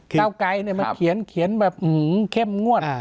เก้าไกรมาเขียนแบบเข้มงวด